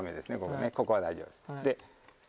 ここは大丈夫ですで。